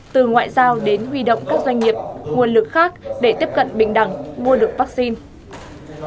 từ ngoại giao đến huy động các doanh nghiệp nguồn lực khác để tiếp cận bình đẳng mua được vaccine